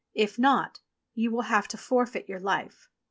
If not you will have to forfeit your life.'